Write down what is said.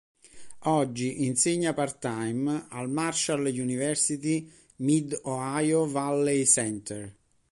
Oggi insegna part-time al Marshall University Mid-Ohio Valley Center.